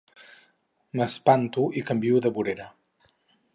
M'espanto i canvio de vorera.